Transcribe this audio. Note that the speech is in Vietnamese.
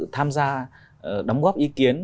tham gia đóng góp ý kiến